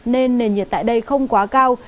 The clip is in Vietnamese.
nên nền nhiệt tại đây không quá cao